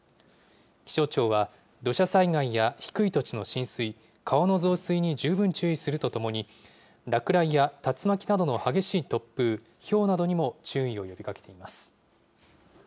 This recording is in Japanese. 気象庁は土砂災害や低い土地の浸水、川の増水に十分注意するとともに、落雷や竜巻などの激しい突風、ひょうなどにも注意を呼びかけています。